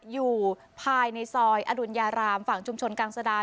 อยู่ภายในซอยอดุญญารามฝั่งชุมชนกลางสดาน